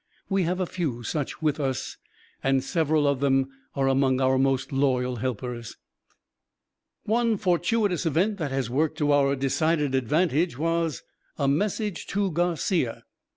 We have a few such with us and several of them are among our most loyal helpers. One fortuitous event that has worked to our decided advantage was "A Message to Garcia."